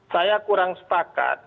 saya kurang sepakat